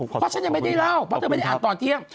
เพราะฉันยังไม่ได้เล่าเพราะเธอไม่ได้อ่านตอนเที่ยง